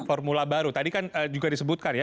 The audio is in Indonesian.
formula baru tadi kan juga disebutkan ya